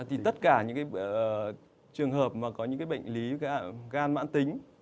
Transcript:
thì tất cả những cái trường hợp mà có những cái bệnh lý gan mãn tính